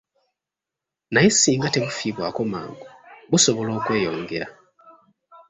Naye singa tebufiibwako mangu, busobola okweyongera.